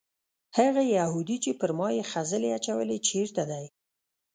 هغه یهودي چې پر ما یې خځلې اچولې چېرته دی؟